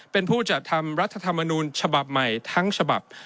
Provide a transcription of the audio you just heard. เป็นผู้จัดทำรัฐธรรมนูญฉบับใหม่ทั้งฉบับ